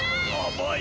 甘い。